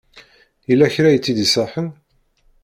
Yella kra i tt-id-iṣaḥen?